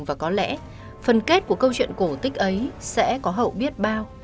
và có lẽ phần kết của câu chuyện cổ tích ấy sẽ có hậu biết bao